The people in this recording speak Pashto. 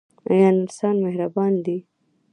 آیا نرسان مهربان دي؟